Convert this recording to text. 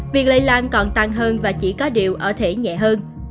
việc lây lan còn tăng hơn và chỉ có điều ở thể nhẹ hơn